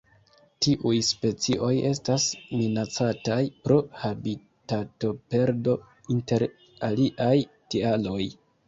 Tiuj specioj estas minacataj pro habitatoperdo, inter aliaj tialoj.